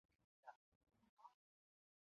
与国民军的战斗便告结束。